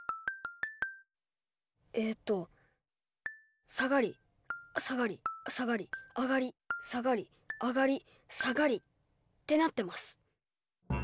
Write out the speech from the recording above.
えっと下がり下がり下がり上がり下がり上がり下がりってなってます。